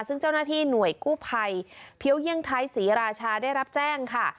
ซึ่งเจ้าหน้าที่หน่วยกู้ภัยเพี้ยวเยี่ยงไทยศรีราชาได้รับแจ้งค่ะ